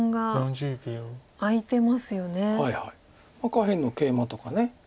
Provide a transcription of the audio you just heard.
下辺のケイマとか。